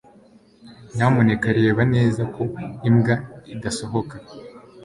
Nyamuneka reba neza ko imbwa idasohoka